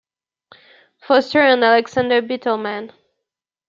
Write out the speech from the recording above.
Foster and Alexander Bittelman.